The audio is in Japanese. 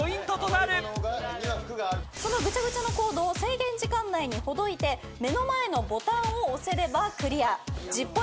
そのぐちゃぐちゃのコードを制限時間内にほどいて目の前のボタンを押せればクリア１０ポイント獲得となります。